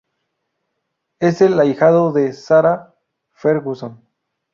Es el ahijado de Sarah Ferguson.